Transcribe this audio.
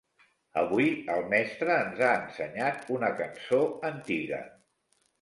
Avui el mestre ens ha ensenyat una cançó antiga.